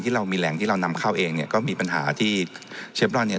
เรามีแหล่งที่เรานำเข้าเองเนี่ยก็มีปัญหาที่เชฟรอนเนี่ย